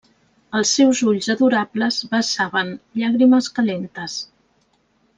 Els seus ulls adorables vessaven llàgrimes calentes.